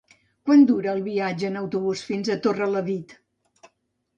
Quant dura el viatge en autobús fins a Torrelavit?